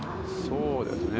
そうですね。